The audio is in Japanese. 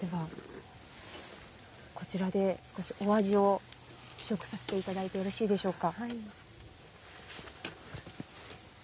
こちらで、お味を試食させていただいてよろしいでしょうか。